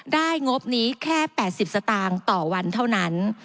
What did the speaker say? งบนี้แค่๘๐สตางค์ต่อวันเท่านั้น